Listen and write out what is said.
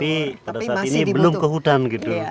di desa tetapi pada saat ini belum ke hutan gitu